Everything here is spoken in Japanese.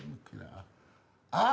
あっ！